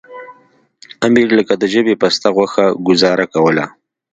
امیر لکه د ژبې پسته غوښه ګوزاره کوله.